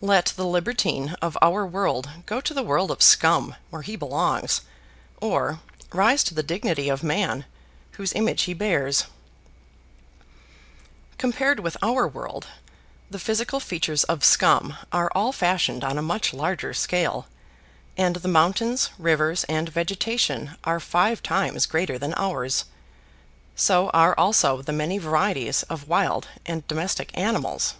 Let the libertine of our world go to the world of Scum where he belongs, or rise to the dignity of man whose image he bears. [Illustration: Great Battle between Low Tribes on Scum.] Compared with our world, the physical features of Scum are all fashioned on a much larger scale, and the mountains, rivers and vegetation are five times greater than ours; so are also the many varieties of wild and domestic animals.